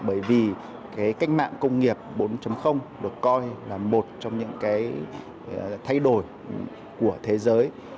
bởi vì cách mạng công nghiệp bốn được coi là một trong những thay đổi của thế giới